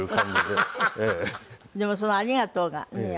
でもその「ありがとう」がねえ